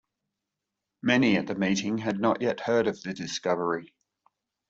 Many at the meeting had not yet heard of the discovery.